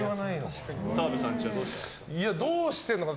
澤部さんちはどうしてますか。